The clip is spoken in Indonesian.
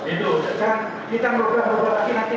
itu kita mau berbual bual lagi nanti